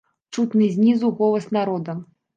Чутны знізу голас народа.